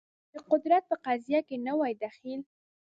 که قدرت په قضیه کې نه وای دخیل